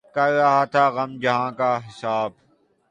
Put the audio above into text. کر رہا تھا غم جہاں کا حساب